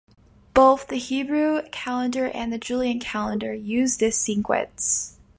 Both the Hebrew calendar and the Julian calendar use this sequence.